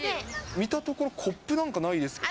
見たところコップなんかないですけど。